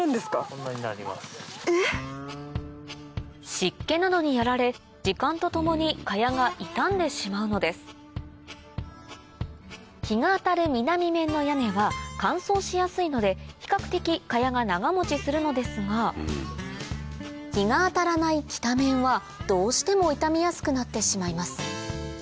湿気などにやられ時間とともに茅が傷んでしまうのです日が当たる南面の屋根は乾燥しやすいので比較的茅が長持ちするのですが日が当たらない北面はどうしても傷みやすくなってしまいます